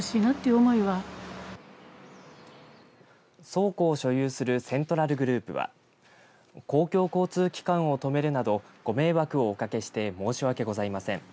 倉庫を所有するセントラルグループは公共交通機関を止めるなどご迷惑をおかけして申し訳ございません。